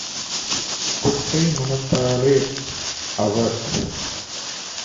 குட்டை மனத்தாலே - அவர்